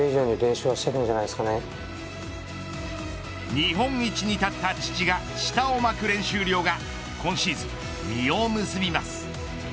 日本一に立った父が舌を巻く練習量が今シーズン実を結びます。